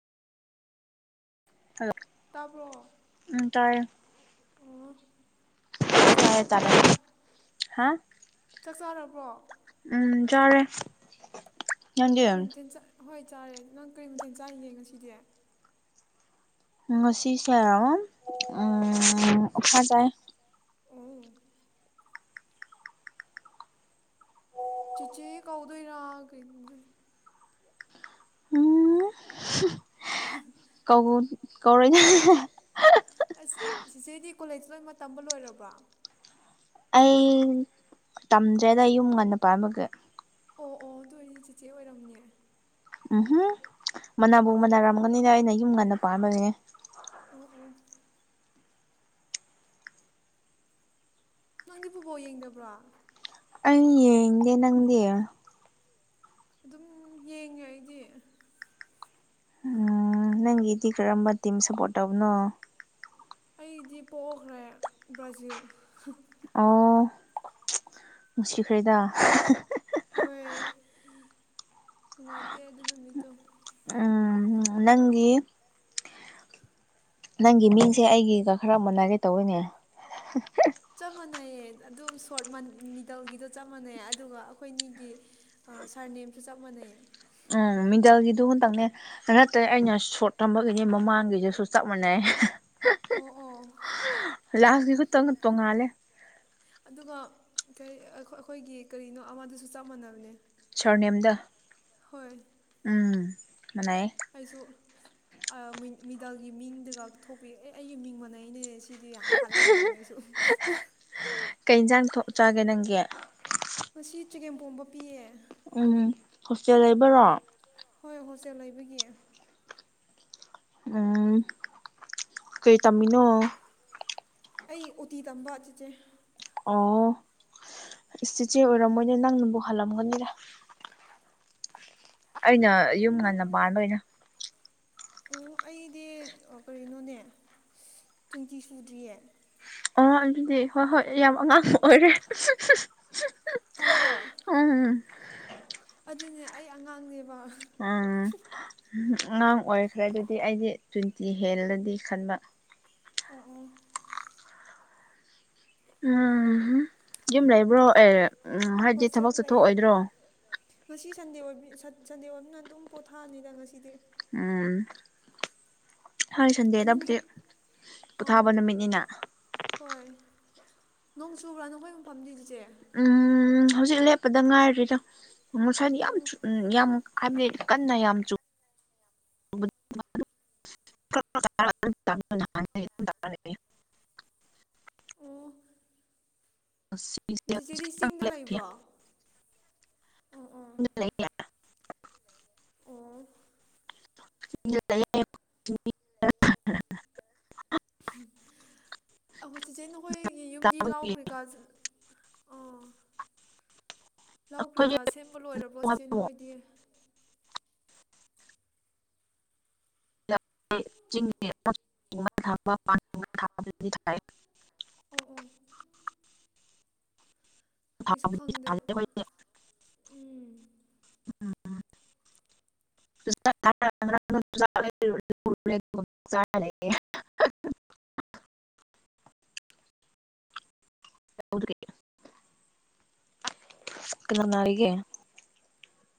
[unintelligible] ꯇꯥꯕ꯭ꯔꯣ ꯎꯝ ꯇꯥꯏꯌꯦ ꯑꯣ ꯆꯥꯛ ꯇꯥꯔꯦ ꯇꯥꯔꯦ ꯆꯥꯔꯕ꯭ꯔꯣ ꯍꯥ ꯆꯥꯛ ꯆꯥꯔꯕ꯭ꯔꯣ ꯎꯝ ꯆꯥꯔꯦ ꯅꯪꯗꯤ ꯑꯣ ꯀꯔꯤ ꯃꯊꯦꯜ ꯍꯣꯏ ꯆꯥꯔꯦ ꯅꯪ ꯀꯔꯤ ꯃꯊꯦꯜ ꯆꯥꯔꯤꯅꯦ ꯉꯁꯤꯗꯤ ꯎ ꯉꯁꯤꯁꯦ ꯎꯝ ꯑꯣꯛꯁꯥ ꯆꯥꯏ ꯑꯣ ꯆꯤꯆꯦ ꯀꯧꯗꯣꯏꯔꯥ ꯎꯝ [unintelligible] ꯀꯧꯕ ꯀꯧꯔꯣꯏ ꯑꯁ ꯁꯤꯆꯦꯗꯤ ꯀꯣꯂꯦꯖꯇ ꯂꯣꯏꯃꯛ ꯇꯝꯕ ꯂꯣꯏꯔꯕ꯭ꯔꯣ ꯑꯩ ꯇꯝꯗ꯭ꯔꯦꯗ ꯌꯨꯝ ꯉꯟꯅ ꯄꯥꯃꯒꯦ ꯑꯣ ꯑꯣ ꯑꯗꯨ ꯑꯣꯏꯔꯗꯤ ꯆꯤꯆꯦ ꯑꯣꯏꯔꯝꯅꯦ ꯎꯝꯍꯨꯝ ꯃꯅꯥꯕꯨꯧ ꯃꯅꯥꯔꯝꯒꯅꯤꯅ ꯑꯩꯅ ꯌꯨꯝ ꯉꯟꯅ ꯄꯥꯟꯕꯥꯝꯕꯅꯤꯅꯦ ꯑꯣ ꯑꯣ ꯅꯪꯗꯤ ꯄꯨꯕꯣꯛ ꯌꯦꯡꯗꯕ꯭ꯔꯣ ꯑꯩ ꯌꯦꯡꯗꯦ ꯅꯪꯗꯦ ꯑꯗꯨꯝ ꯌꯦꯡꯉꯦ ꯑꯩꯗꯤ ꯎꯝ ꯅꯪꯒꯤꯗꯤ ꯀꯔꯝꯕ ꯇꯤꯝ ꯁꯞꯄꯣꯔꯠ ꯇꯧꯕꯅꯣ ꯑꯩꯗꯤ ꯄꯣꯛꯈ꯭ꯔꯦ ꯕ꯭ꯔꯥꯖꯤꯜ ꯑꯣ ꯅꯨꯡꯁꯤꯈ꯭ꯔꯦꯗ ꯍꯣꯏ ꯅꯨꯡꯉꯥꯏꯇꯦ ꯑꯗꯨ ꯅꯨꯃꯤꯠꯇꯣ ꯎꯝ ꯅꯪꯒꯤ ꯅꯪꯒꯤ ꯃꯤꯡꯁꯦ ꯑꯩꯒꯤꯒ ꯈꯔ ꯃꯅꯒꯦ ꯇꯧꯔꯤꯅꯦ ꯆꯞ ꯃꯥꯟꯅꯩꯌꯦ ꯑꯗꯨꯝ ꯁꯣꯔꯠ ꯃꯤꯗꯜꯒꯤꯗꯣ ꯆꯞ ꯃꯥꯟꯅꯩ ꯑꯗꯨꯒ ꯑꯩꯈꯣꯏꯅꯤꯒꯤ ꯑ ꯁꯥꯔ ꯅꯦꯝꯁꯨ ꯆꯞ ꯃꯥꯟꯅꯩ ꯎꯝ ꯃꯤꯗꯜꯒꯤꯗꯨ ꯍꯟꯇꯪꯅꯦ ꯅꯠꯇꯦ ꯑꯩꯅ ꯁꯣꯔꯠ ꯊꯝꯕꯒꯤꯅꯦ ꯃꯃꯥꯡꯒꯤꯗꯨꯁꯨ ꯆꯞ ꯃꯥꯟꯅꯩ ꯑꯣ ꯑꯣ ꯑꯥꯁꯤ ꯈꯛꯇꯪ ꯇꯣꯡꯉꯥꯜꯂꯦ ꯑꯗꯨꯒ ꯀꯔꯤ ꯑꯩꯈꯣꯏꯒꯤ ꯀꯔꯤꯅꯣ ꯑꯃꯗꯨꯁꯨ ꯆꯞ ꯃꯥꯟꯅꯕꯅꯦ ꯁꯔꯅꯦꯝꯗ ꯍꯣꯏ ꯎꯝ ꯃꯅꯥꯌꯦ ꯑꯩꯁꯨ ꯃꯤꯗꯜꯒꯤ ꯃꯤꯡꯗꯨꯒ ꯊꯣꯛꯄꯤ ꯑꯦ ꯑꯩꯒꯤ ꯃꯤꯡ ꯃꯅꯩꯅꯦ ꯁꯤꯗꯤ ꯍꯜꯂꯂꯕꯅꯦ ꯑꯩꯁꯨ [unintelligible] [inaudible] ꯀꯩ ꯌꯦꯟꯁꯥꯡ ꯊꯣꯛꯆꯒꯦ ꯅꯪꯒꯤ ꯉ ꯆꯤꯀꯦꯝ ꯄꯣꯝꯕ ꯄꯤꯌꯦ ꯎꯝ ꯍꯣꯁꯇꯦꯜ ꯂꯩꯕꯔꯣ ꯍꯣꯏ ꯍꯣꯁꯇꯦꯜ ꯂꯩꯕꯒꯤ ꯎꯝ ꯀꯩ ꯇꯝꯃꯤꯅꯣ ꯑꯩ ꯑꯣꯇꯤ ꯇꯝꯕ ꯆꯤꯆꯦ ꯑꯣ ꯆꯤꯆꯦ ꯑꯣꯏꯔꯝꯃꯣꯏꯅꯦ ꯅꯪꯅꯕꯨ ꯍꯜꯂꯝꯒꯅꯤꯗ ꯑꯩꯅ ꯌꯨꯝ ꯅꯪ ꯉꯟꯅ ꯄꯥꯟꯕꯩꯅ‌ꯦ ꯑꯣ ꯑꯩꯗꯤ ꯀꯔꯤꯅꯣꯅꯦ ꯇ꯭ꯋꯦꯟꯇꯤ ꯁꯨꯗ꯭ꯔꯤꯌꯦ ꯑ ꯑꯗꯨꯗꯤ ꯍꯣꯏ ꯍꯣꯏ ꯌꯥꯝ ꯑꯉꯥꯡ ꯑꯣꯏꯔꯦ ꯑꯩꯔꯣ ꯎꯝ ꯑꯗꯨꯅꯦ ꯑꯩ ꯑꯉꯥꯡꯅꯦꯕ ꯑꯉꯥꯡ ꯑꯣꯏꯈ꯭ꯔꯦ ꯑꯗꯨꯗꯤ ꯑꯩꯗꯤ ꯇ꯭ꯋꯦꯟꯇꯤ ꯍꯦꯜꯂꯗꯤ ꯈꯟꯕ ꯑꯣ ꯑꯣ ꯎꯝ ꯌꯨꯝ ꯂꯩꯕ꯭ꯔꯣ ꯑꯦ ꯎꯝ ꯍꯥꯏꯗꯤ ꯊꯕꯛ ꯍꯁꯦꯠ ꯂꯩꯌꯦ ꯆꯠꯊꯣꯛꯑꯣꯏꯗ꯭ꯔꯣ ꯉꯁꯤ ꯁꯟꯗꯦ ꯁꯟꯗꯦ ꯑꯣꯏꯕꯅ ꯑꯗꯨꯝ ꯄꯣꯊꯥꯑꯅꯤꯗ ꯉꯁꯤꯗꯤ ꯎꯝ ꯊꯔꯤ ꯑꯗꯨ ꯁꯟꯗꯦꯗꯕꯨꯗꯤ ꯅꯈꯣꯏ ꯑꯥ ꯄꯣꯊꯥꯕ ꯅꯨꯃꯤꯠꯅꯤꯅ ꯍꯣꯏ ꯅꯣꯡ ꯆꯨꯕ꯭ꯔꯥ ꯅꯈꯣꯏ ꯃꯐꯝꯅꯤ ꯏꯆꯦ ꯎꯝ ꯍꯧꯖꯤꯛ ꯂꯦꯞꯄꯗ ꯉꯥꯏꯔꯔꯤꯔꯣ ꯃꯨꯁꯥꯏꯗꯤ ꯌꯥꯝ ꯑꯣ ꯎ ꯌꯥꯝ ꯍꯥꯏꯕꯗꯤ ꯀꯟꯅ ꯌꯥꯝ ꯆ [inaudible] ꯑꯣ ꯑꯁ ꯆꯤꯆꯦꯗꯤ ꯆꯤꯡꯗ ꯂꯩꯕ꯭ꯔꯣ ꯑꯣ [unintelligible] ꯑꯣ [inaudible] ꯈ‌ꯣ ꯆꯤꯆꯦ ꯅꯈꯣꯏꯒꯤ ꯌꯨꯝꯗꯤ ꯂꯥꯎꯈ꯭ꯔꯦꯀ [unintelligible] ꯂꯧ ꯀꯔꯤꯀꯥ ꯁꯦꯝꯕ ꯂꯣꯏꯔꯕꯣ ꯆꯤꯆꯦ ꯅꯈ‌ꯣꯏꯗꯤ [inaudible] ꯑꯣ ꯑꯣ ꯑꯩꯁꯨ [inaudible] ꯈꯪꯗꯦ ꯑꯩꯈꯣꯏꯗꯤ ꯎꯝ ꯎꯝ [inaudible] [inaudible] ꯀꯅꯥ ꯅꯥꯔꯤꯒ‌ꯦ